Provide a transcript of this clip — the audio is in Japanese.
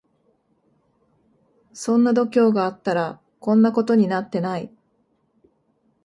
そんな度胸があったらこんなことになってない